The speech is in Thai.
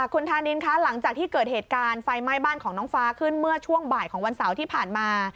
คุณธานินคะหลังจากที่เกิดเหตุการณ์ไฟไหม้บ้านของน้องฟ้าขึ้นเมื่อช่วงบ่ายของวันเสาร์ที่ผ่านมา